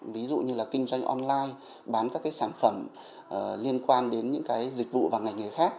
ví dụ như là kinh doanh online bán các cái sản phẩm liên quan đến những cái dịch vụ và ngành nghề khác